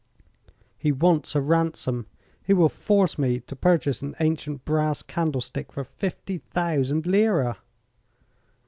"He wants a ransom. He will force me to purchase an ancient brass candlestick for fifty thousand lira."